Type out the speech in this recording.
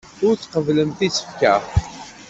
Ur tqebblemt isefka.